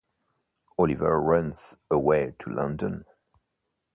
Oliver runs away to London.